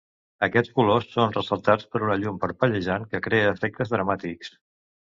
Aquests colors són ressaltats per una llum parpellejant que crea efectes dramàtics.